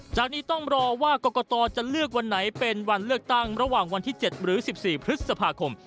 จากนี้ต้องรอว่ากรกตจะเลือกวันไหนเป็นวันเลือกตั้งระหว่างวันที่๗หรือ๑๔พฤษภาคม